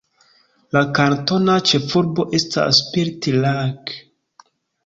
La kantona ĉefurbo estas Spirit Lake.